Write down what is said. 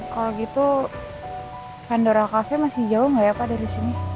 kalau gitu pandora cafe masih jauh gak ya pak dari sini